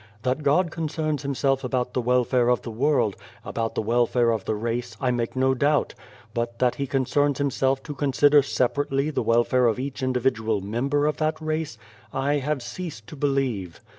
"That God concerns Himself about the welfare of the world, about the welfare of the race, I make no doubt ; but that He concerns Himself to consider separately the welfare of each individual member of that race, I have ceased to believe.